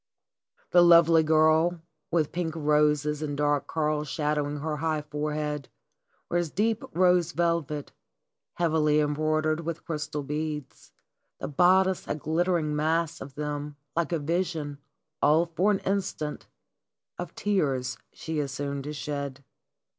The lovely girl, with pink roses in dark curls shadowing her high forehead, wears deep rose velvet, heavily embroidered with crystal beads, the bodice a glittering mass of them, In Siloer Hpon purple. 279 like a vision, all for an instant, of tears she is soon to shed.